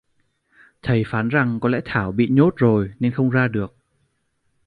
thầy phán rằng có lẽ thảo bị nhốt rồi nên không ra được